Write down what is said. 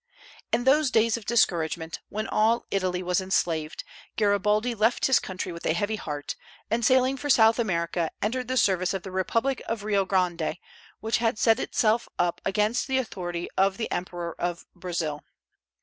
In those days of discouragement, when all Italy was enslaved, Garibaldi left his country with a heavy heart, and sailing for South America, entered the service of the Republic of Rio Grande, which had set itself up against the authority of the Emperor of Brazil.